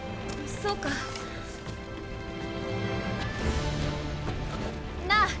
そうか。なぁ